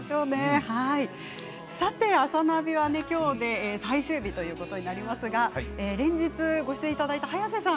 「あさナビ」はきょうで最終日ということになりますが連日、ご出演いただいた早瀬さん